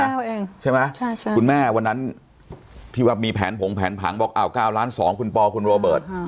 อาทิตย์ที่แล้วเองใช่ไหมคุณแม่วันนั้นพี่วับมีแผนผงแผนผังบอก๙ล้าน๒คุณปอคุณโรเบิร์ต